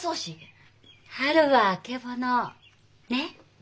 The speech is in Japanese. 「春はあけぼの」ね？